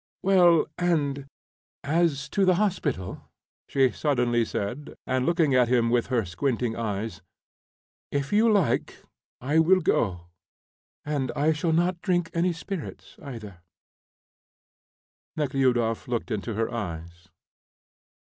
"Well, and as to the hospital?" she suddenly said, and looking at him with her squinting eyes. "If you like, I will go, and I shall not drink any spirits, either." Nekhludoff looked into her eyes.